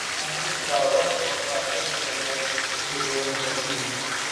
آنے کی دعوت اور باطل سے لڑنے کے لیے فردی